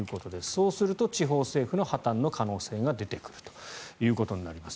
そうすると、地方政府の破たんの可能性が出てくるということになります。